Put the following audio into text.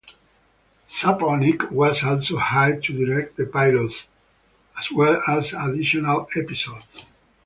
Sapochnik was also hired to direct the pilot as well as additional episodes.